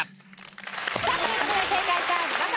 さあという事で正解した